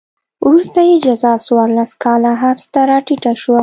وروسته یې جزا څوارلس کاله حبس ته راټیټه شوه.